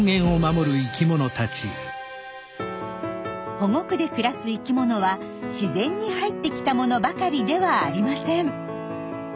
保護区で暮らす生きものは自然に入ってきたものばかりではありません。